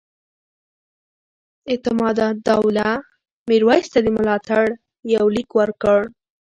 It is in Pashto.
اعتمادالدولة میرویس ته د ملاتړ یو لیک ورکړ.